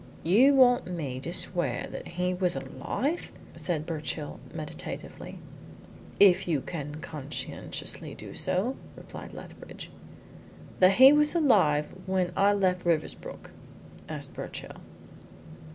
"You want me to swear that he was alive?" said Birchill, meditatively. "If you can conscientiously do so," replied Lethbridge. "That he was alive when I left Riversbrook?" asked Birchill.